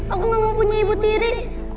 aku gak mau punya ibu tiri